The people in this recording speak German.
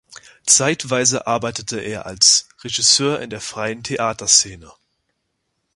Zeitweise arbeitete er als Regisseur in der freien Theaterszene.